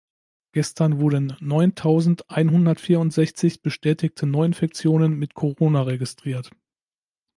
Gestern wurden neuntausendeinhundertvierundsechzig bestätigte Neuinfektionen mit Corona registriert.